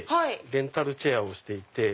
レンタルチェアをしていて。